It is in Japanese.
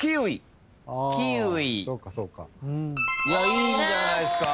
いいんじゃないっすか？